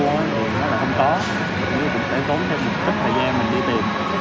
nó sẽ tốn thêm một chút thời gian mình đi tìm